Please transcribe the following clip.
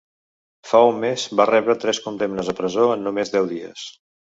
Fa un mes, va rebre tres condemnes a presó en només deu dies.